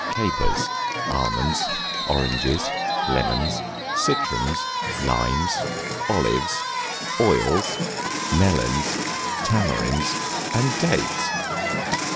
CAPERS, ALMONDS, ORANGES, LEMONS, CITRONS, LIMES, OLIVES, OILS, MELONS, TAMARINDS, AND DATES.